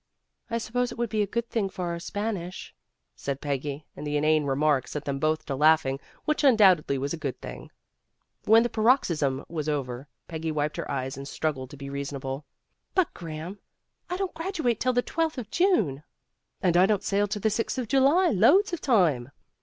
'' "I suppose it would be a good thing for our Spanish," said Peggy, and the inane remark set them both to laughing, which undoubtedly was a good thing. When the paroxysm was over, Peggy wiped her eyes and struggled to be PEGGY COMES TO A DECISION 249 reasonable. "But, Graham, I don't graduate till the twelfth of June." "And I don't sail till the sixth of July. Loads of time."